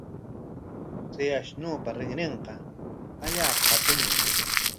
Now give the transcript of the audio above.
Chay ashnupa rinrinqa allaapa hatunmi.